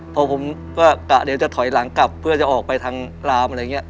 เพราะว่าก๋าเดรดจะถอยหลังกลับเพื่อจะออกไปทางรามอะไรแบบเงี้ย